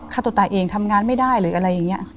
ฆ่าตัวตายเองทำงานไม่ได้หรืออะไรอย่างนี้